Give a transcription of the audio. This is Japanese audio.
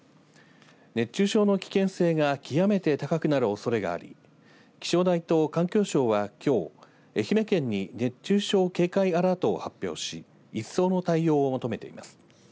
熱中症の危険性が極めて高くなるおそれがあり気象台と環境省は、きょう愛媛県に熱中症警戒アラートを発表し一層の対応を求めています。